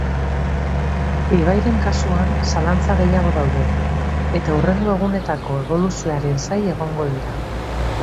Ibairen kasuan zalantza gehiago daude, eta hurrengo egunetako eboluzioaren zain izango dira.